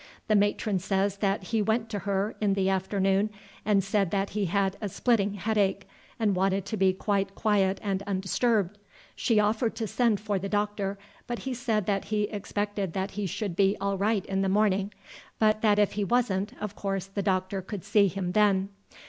The matron says that he went to her in the afternoon and said that he had a splitting headache, and wanted to be quite quiet and undisturbed. She offered to send for the doctor, but he said that he expected that he should be all right in the morning, but that if he wasn't of course the doctor could see him then.